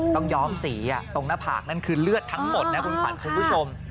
ย้อมสีตรงหน้าผากนั่นคือเลือดทั้งหมดนะคุณขวัญคุณผู้ชม